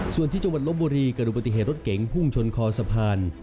ส่วนที่จังหวัดลบบุรีเกิดอุบัติเหตุรถเก๋งพุ่งชนคอสะพาน